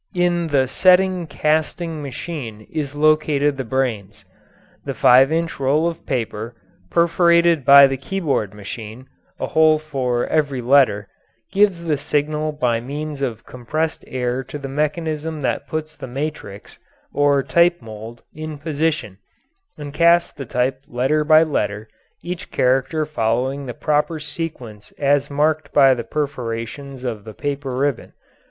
In the setting casting machine is located the brains. The five inch roll of paper, perforated by the keyboard machine (a hole for every letter), gives the signal by means of compressed air to the mechanism that puts the matrix (or type mould) in position and casts the type letter by letter, each character following the proper sequence as marked by the perforations of the paper ribbon.